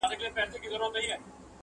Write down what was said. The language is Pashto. پلار یې راوستئ عسکرو سم په منډه،